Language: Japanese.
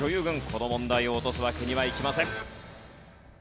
この問題を落とすわけにはいきません。